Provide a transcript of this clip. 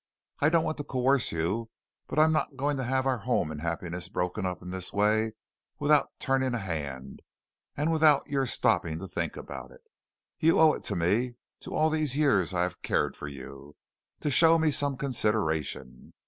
I don't want to coerce you, but I'm not going to have our home and happiness broken up in this way without turning a hand, and without your stopping to think about it. You owe it to me to all these years I have cared for you, to show me some consideration.